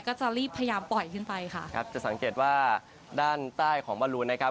ก็จะรีบพยายามปล่อยขึ้นไปค่ะครับจะสังเกตว่าด้านใต้ของบอลลูนนะครับ